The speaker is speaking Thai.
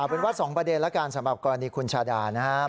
เป็นว่า๒ประเด็นแล้วกันสำหรับกรณีคุณชาดานะครับ